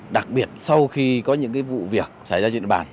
đặc biệt sau khi có những vụ việc xảy ra trên địa bàn